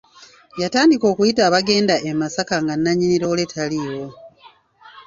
Yatandika okuyita abagenda e Masaka nga nanyini loole taliwo.